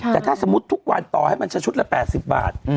แต่ถ้าสมมุติทุกวันต่อให้มันจะชุดละ๘๐บาท